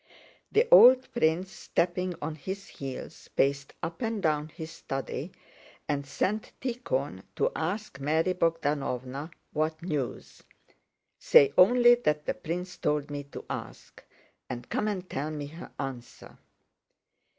The old prince, stepping on his heels, paced up and down his study and sent Tíkhon to ask Mary Bogdánovna what news.—"Say only that 'the prince told me to ask,' and come and tell me her answer."